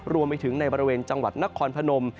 รวมไปถึงในบริเวณจังหวัดนครพนม